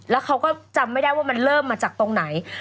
แล้วเขาก็จำไม่ได้ว่ามันเริ่มมาจากตรงไหน